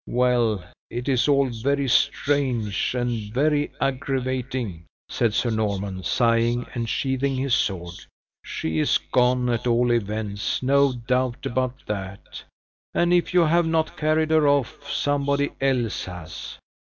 "Well, it is all very strange, and very aggravating," said Sir Norman, sighing, and sheathing his sword. "She is gone, at all events; no doubt about that and if you have not carried her off, somebody else has."